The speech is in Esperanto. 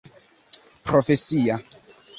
profesia